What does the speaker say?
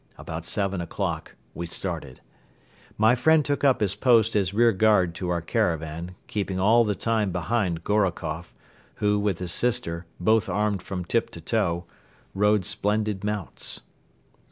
About seven o'clock we started. My friend took up his post as rear guard to our caravan, keeping all the time behind Gorokoff, who with his sister, both armed from tip to toe, rode splendid mounts.